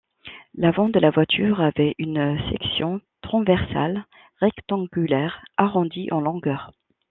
L'avant de la voiture avait une section transversale rectangulaire, arrondie en longueur.